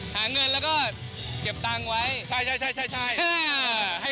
หาเงินแล้วก็เก็บตังค์ไว้ใช่ใช่ใช่ใช่ใช่ให้